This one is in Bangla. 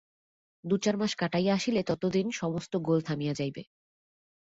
দু-চার মাস কাটাইয়া আসিলে ততদিন সমস্ত গোল থামিয়া যাইবে।